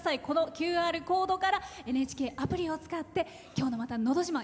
ＱＲコードからＮＨＫアプリを使って今日の「のど自慢」